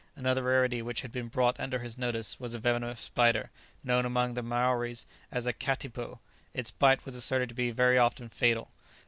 Another rarity which had been brought under his notice was a venomous spider, known among the Maoris as a "katipo;" its bite was asserted to be very often fatal.